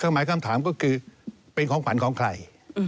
หมายคำถามก็คือเป็นของขวัญของใคร